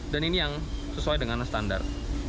dan ini yang sesuai dengan standar